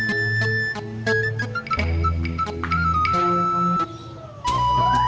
isi di luar